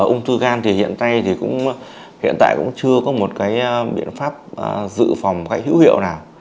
ung thư gan thì hiện nay cũng chưa có một biện pháp dự phòng hữu hiệu nào